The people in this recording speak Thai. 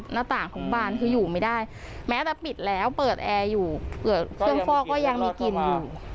หน้าต่างของบานคืออยู่ไม่ได้แม้แต่ปิดแล้วเปิดแอร์อยู่เผื่อเครื่องฟอกก็ยังมีกลิ่นอยู่